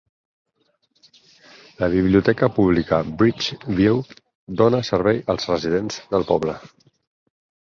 La Biblioteca pública Bridgeview dóna servei als residents del poble.